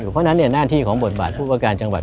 เพราะฉะนั้นหน้าที่ของบทบาทผู้ประการจังหวัด